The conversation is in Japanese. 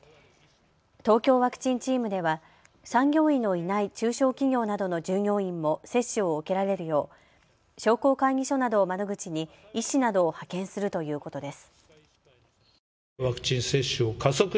東京ワクチンチームでは産業医のいない中小企業などの従業員も接種を受けられるよう商工会議所などを窓口に医師などを派遣するということです。